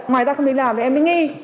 ngoài ra không đi làm thì em mới nghi